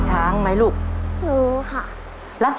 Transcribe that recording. ขอบคุณครับ